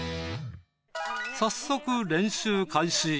早速練習開始。